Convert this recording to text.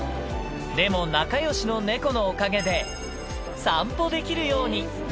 でも仲よしの猫のおかげで、散歩できるように。